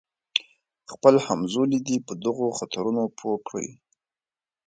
خپل همزولي دې په دغو خطرونو پوه کړي.